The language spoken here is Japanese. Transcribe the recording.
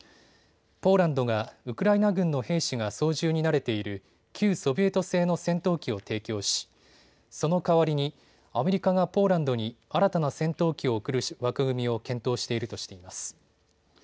ポーランドがウクライナ軍の兵士が操縦に慣れている旧ソビエト製の戦闘機を提供しそのかわりにアメリカがポーランドに新たな戦闘機を送る枠組みを検討しているとしています。